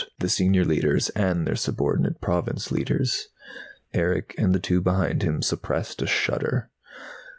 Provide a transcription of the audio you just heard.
The Senior Leiters and their subordinate Province Leiters Erick and the two behind him suppressed a shudder.